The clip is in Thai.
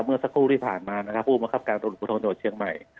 เมื่อสักครู่ที่ผ่านมาผู้มหักขับการตลอดประโยชน์เชียงใหม่